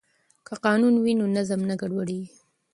که قانون وي نو نظم نه ګډوډیږي.